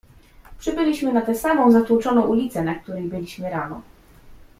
"Przybyliśmy na tę samą zatłoczoną ulicę, na której byliśmy rano."